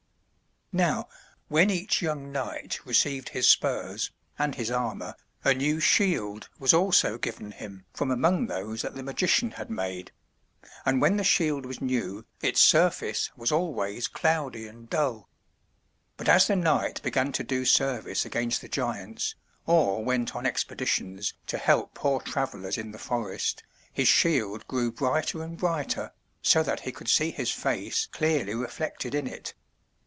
Now, when each young knight received his spurs and his armor, a new shield was also given him from among those that the magician had made; and when the shield was new its surface was always cloudy and dull. But as the knight began to do service against the giants, or went on expeditions to help poor travelers in the forest, his shield grew brighter and brighter, so that he could see his face clearly reflected in it.